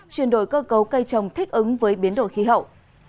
chuyển đổi cơ cấu cây trồng thích ứng với biến đổi khí hậu